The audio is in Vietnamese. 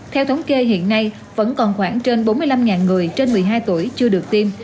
theo thống kê hiện nay vẫn còn khoảng trên bốn mươi năm người trên một mươi hai tuổi chưa được tiêm